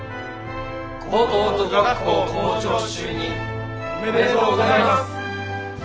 高等女学校校長就任おめでとうございます。